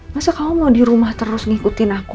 masa kamu mau di rumah terus ngikutin aku